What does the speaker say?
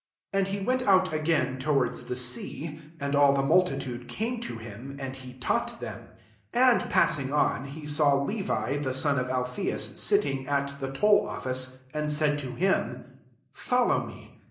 13 And he went out again, towards the sea : and all the multitude came to him, and he taught them. 14 And passing on, he saw Levi, the son of Alpheus, sitting at the toll office, and said to him, " Follow me."